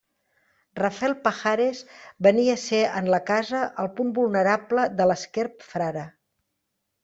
Rafel Pajares venia a ser en la casa el punt vulnerable de l'esquerp Frare.